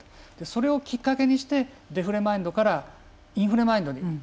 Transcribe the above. それをきっかけにしてデフレマインドからインフレマインドに変えていく。